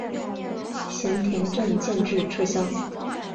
咸田镇建制撤销。